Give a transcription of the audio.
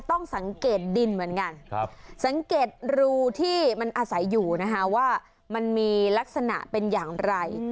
ต้องสังเกตดินเหมือนกันสังเกตรูที่มันอาศัยอยู่นะคะว่ามันมีลักษณะเป็นอย่างไร